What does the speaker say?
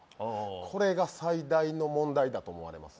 これが最大の問題だと思われます